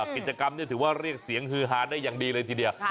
กิจกรรมถือว่าเรียกเสียงฮือฮาได้อย่างดีเลยทีเดียว